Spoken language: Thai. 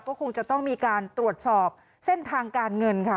ก็คงจะต้องมีการตรวจสอบเส้นทางการเงินค่ะ